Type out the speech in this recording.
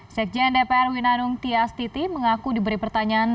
sekjendeper winanung tias titi mengaku diberi pertanyaan